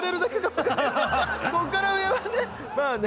こっから上はねまあね